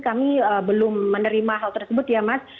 kami belum menerima hal tersebut ya mas